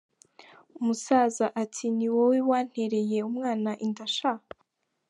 Umusaza ati ni wowe wantereye umwana inda sha !?